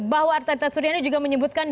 bahwa arteta suryani juga menyebutkan